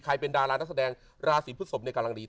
เป็นดารานักแสดงราศีพฤศพเนี่ยกำลังดี